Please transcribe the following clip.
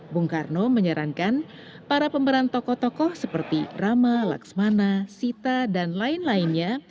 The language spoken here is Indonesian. bung karno menyarankan para pemeran tokoh tokoh seperti rama laksmana sita dan lain lainnya